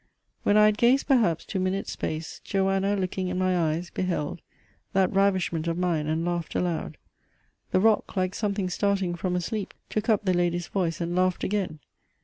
"When I had gazed perhaps two minutes' space, Joanna, looking in my eyes, beheld That ravishment of mine, and laughed aloud. The Rock, like something starting from a sleep, Took up the Lady's voice, and laughed again!